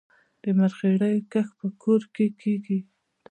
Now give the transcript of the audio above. د مرخیړیو کښت په کور کې کیږي؟